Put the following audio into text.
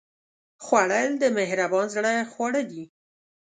خوړل د مهربان زړه خواړه دي